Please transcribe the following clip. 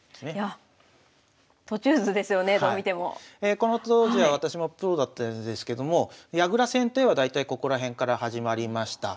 この当時は私もプロだったんですけども矢倉戦といえば大体ここら辺から始まりました。